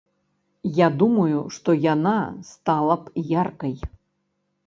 Я думаю, што яна стала б яркай.